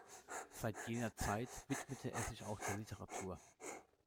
Seit jener Zeit widmete er sich auch der Literatur.